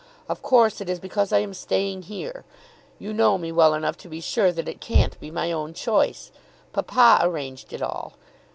Of course it is because I am staying here. You know me well enough to be sure that it can't be my own choice. Papa arranged it all.